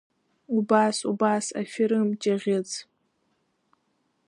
Убас, убас, аферым Ҷаӷьыц!